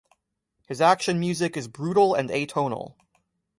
His action music is brutal and atonal.